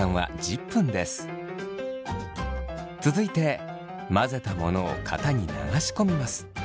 続いて混ぜたものを型に流し込みます。